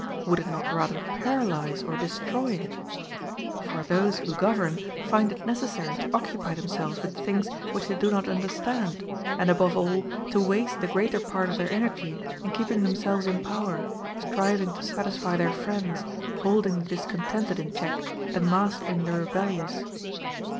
Would it not rather paralyze or destroy it? For those who govern find it necessary to occupy themselves with things which they do not understand, and, above all, to waste the greater part of their energy in keeping themselves in power, striving to satisfy their friends, holding the discontented in check, and mastering the rebellious.